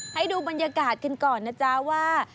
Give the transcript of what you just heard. ให้ดูบรรยากาศกันก่อนนะจ๊ะว่า